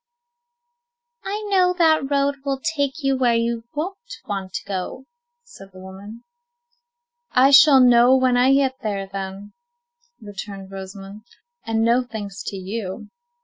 "I know that road will take you where you won't want to go," said the woman. "I shall know when I get there, then," returned Rosamond, "and no thanks to you."